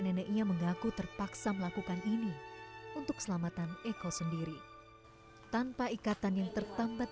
neneknya mengaku terpaksa melakukan ini untuk keselamatan eko sendiri tanpa ikatan yang tertambat